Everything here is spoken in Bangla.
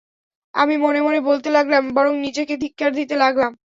আমি মনে মনে বলতে লাগলাম, বরং নিজেকে ধিক্কার দিতে লাগলাম।